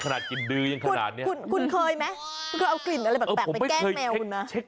กลิ่นดือเป็นเหตุสังเกตได้